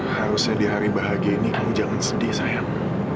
harusnya di hari bahagia ini kamu jangan sedih sayang